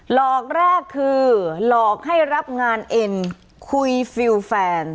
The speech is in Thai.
หลอกแรกคือหลอกให้รับงานเอ็นคุยฟิลแฟน